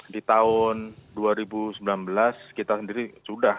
di tahun dua ribu sembilan belas kita sendiri sudah